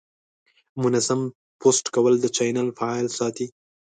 منظم پوسټ کول د چینل فعال ساتي.